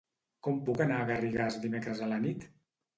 Com puc anar a Garrigàs dimecres a la nit?